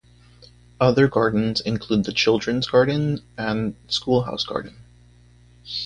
Other gardens include the Children's Garden and Schoolhouse Garden.